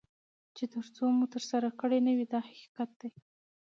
چې تر څو مو ترسره کړي نه وي دا حقیقت دی.